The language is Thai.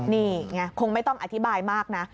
นี่ไงคงไม่ต้องอธิบายมากนะ